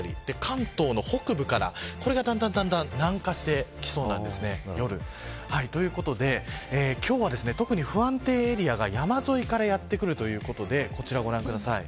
関東の北部からこれがだんだん南下してきそうなんです、夜。ということで今日は不安定エリアが山沿いからやってくるということでこちらをご覧ください。